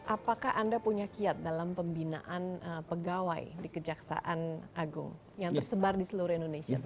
apakah anda punya kiat dalam pembinaan pegawai di kejaksaan agung yang tersebar di seluruh indonesia